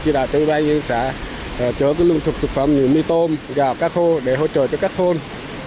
ủy ban nhân xã chở cái lương thực thực phẩm như mì tôm gạo cá khô để hỗ trợ cho các khôn